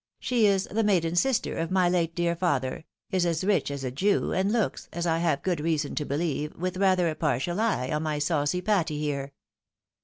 She is the maiden sister of my late dear father, is as rich as a Jew, and looks, as I have good reason to believe, with rather a partial eye on my saucy Patty, here."